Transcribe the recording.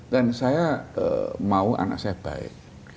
dan saya mau anak saya baik